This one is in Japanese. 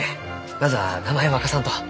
まずは名前を明かさんと。